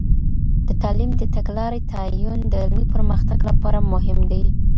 د تعلیم د تګلاري تعین د علمي پرمختګ لپاره مهم دی.